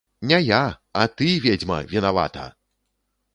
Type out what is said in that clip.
Не я, а ты, ведзьма, вінавата!